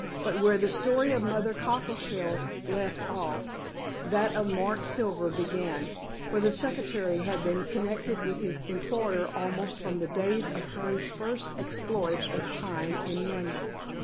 But where the story of Mother Cockleshell left off, that of Mark Silver began, for the secretary had been connected with his employer almost from the days of Hearne's first exploits as Pine in London.